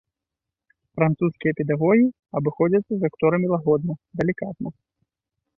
Французскія педагогі абыходзяцца з акторамі лагодна, далікатна.